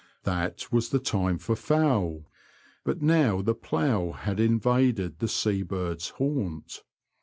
That was the time for fowl ; but now the plough had in vaded the sea birds' haunt.